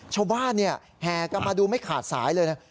ชาวบ้านแห่กันมาดูไม่ขาดสายเลยนะ